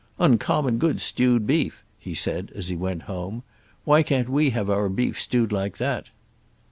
"Uncommon good stewed beef," he said, as he went home; "why can't we have our beef stewed like that?"